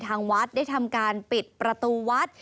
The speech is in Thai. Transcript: ทางวัดได้ทำการปิดประตูวัด